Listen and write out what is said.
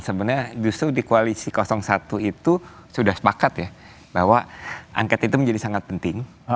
sebenarnya justru di koalisi satu itu sudah sepakat ya bahwa angket itu menjadi sangat penting